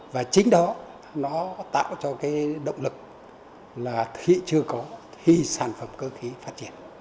và chính đó nó tạo cho cái động lực là thị trường có thi sản phẩm cơ khí phát triển